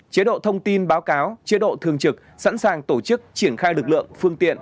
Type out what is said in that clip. chế độ thông tin báo cáo chế độ thường trực sẵn sàng tổ chức triển khai lực lượng phương tiện